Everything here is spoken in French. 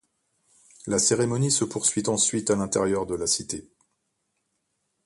La cérémonie se poursuit ensuite à l'intérieur de la cité.